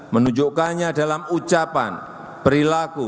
menunjukkannya dalam ucapan perilaku